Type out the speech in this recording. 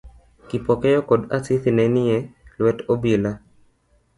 Kipokeo koda Asisi ne nie lwet obila.